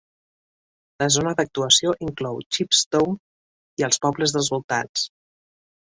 La zona d'actuació inclou Chepstow i els pobles dels voltants.